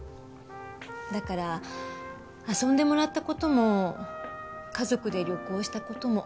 だから遊んでもらった事も家族で旅行した事も。